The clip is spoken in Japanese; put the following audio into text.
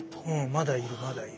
まだいるまだいる。